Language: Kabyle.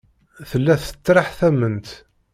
Tella tettraḥ tamemt.